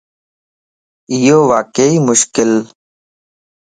ايو واقعي مشڪلَ